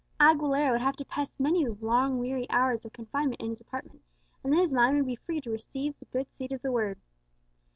Aguilera would have to pass many long weary hours of confinement in his apartment, and then his mind would be free to receive the good seed of the Word.